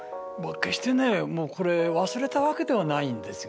決してねこれ忘れたわけではないんですよね。